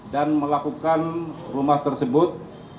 dan melakukan rumah tersebut